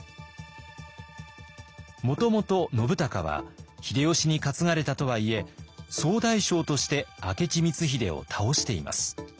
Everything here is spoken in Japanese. もともと信孝は秀吉に担がれたとはいえ総大将として明智光秀を倒しています。